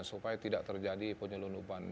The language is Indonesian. supaya tidak terjadi penyelundupan